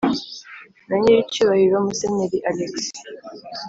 na nyiricyubahiro musenyeri alexis